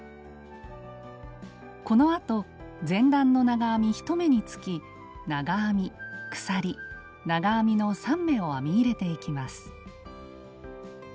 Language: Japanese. このあと前段の長編み１目につき長編み鎖長編みの３目を編み入れていきます。